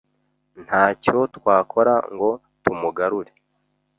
Ntacyo twakora ngo tumugarure.